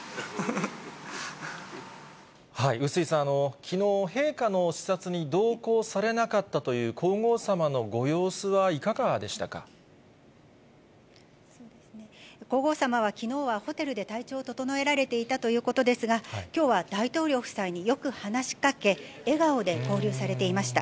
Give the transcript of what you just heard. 笛吹さん、きのう、陛下の視察に同行されなかったという皇后さまのご様子はいかがで皇后さまは、きのうはホテルで体調を整えられていたということですが、きょうは大統領夫妻によく話しかけ、笑顔で交流されていました。